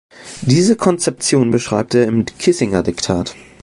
Diese Konzeption beschreibt er im Kissinger Diktat.